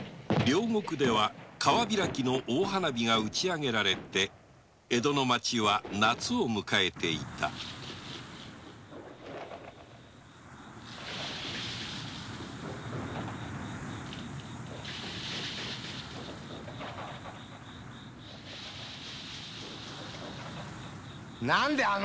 両国では大花火が打ちあげられて江戸の町は夏を迎えていたおいなんでえ